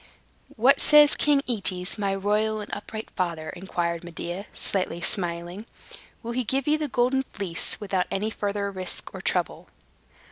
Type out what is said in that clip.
"What says King Aetes, my royal and upright father?" inquired Medea, slightly smiling. "Will he give you the Golden Fleece, without any further risk or trouble?"